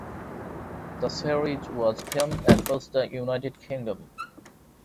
The series was filmed across the United Kingdom.